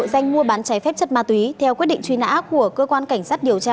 tội danh mua bán trái phép chất ma túy theo quyết định truy nã của cơ quan cảnh sát điều tra